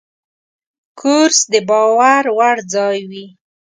کورس د باور وړ ځای وي.